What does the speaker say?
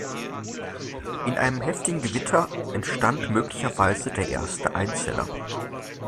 In einem heftigen Gewitter entstand möglicherweise der erste Einzeller.